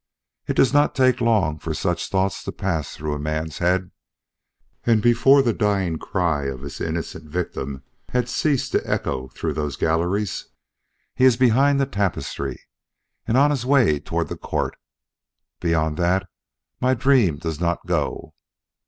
It does not take long for such thoughts to pass through a man's head, and before the dying cry of his innocent victim had ceased to echo through those galleries, he is behind the tapestry and on his way toward the court. Beyond that, my dream does not go.